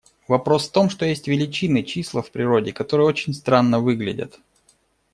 Вопрос в том, что есть величины, числа в природе, которые очень странно выглядят.